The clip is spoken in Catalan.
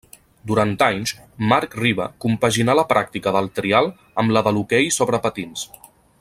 Durant anys, Marc Riba compaginà la pràctica del trial amb la de l'hoquei sobre patins.